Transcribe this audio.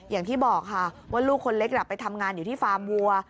อย่างที่บอกค่ะว่าลูกคนเล็กไปทำงานอยู่ที่ฟาร์มวัว